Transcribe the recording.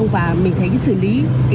và mình thấy cái xử lý